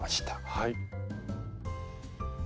はい。